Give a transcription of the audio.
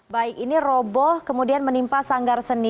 baik ini roboh kemudian menimpa sanggar seni